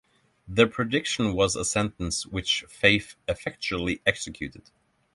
The prediction was a sentence which faith effectually executed.